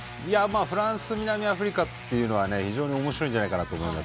フランス南アフリカというのは非常におもしろいんじゃないかと思います。